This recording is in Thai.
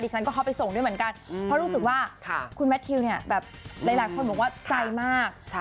ฉันก็เข้าไปส่งด้วยเหมือนกันเพราะรู้สึกว่าคุณแมททิวเนี่ยแบบหลายคนบอกว่าใจมาก